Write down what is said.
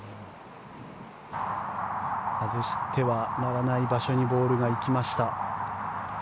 外してはならない場所にボールが行きました。